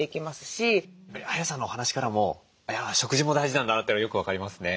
ＡＹＡさんのお話からも食事も大事なんだなってよく分かりますね。